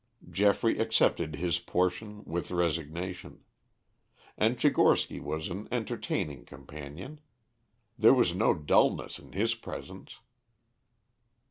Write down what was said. Geoffrey accepted his portion with resignation. And Tchigorsky was an entertaining companion. There was no dullness in his presence.